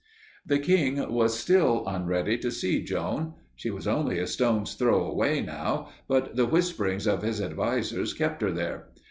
The king was still unready to see Joan. She was only a stone's throw away now, but the whisperings of his advisers kept her there.